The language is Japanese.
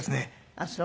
あっそう。